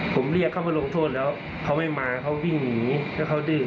ผมเรียกเขามาลงโทษแล้วเขาไม่มาเขาวิ่งหนีแล้วเขาดื้อ